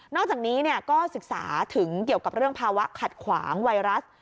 อกจากนี้ก็ศึกษาถึงเกี่ยวกับเรื่องภาวะขัดขวางไวรัส